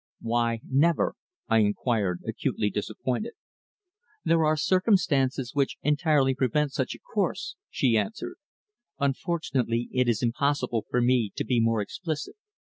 "Why never?" I inquired, acutely disappointed. "There are circumstances which entirely prevent such a course," she answered. "Unfortunately, it is impossible for me to be more explicit."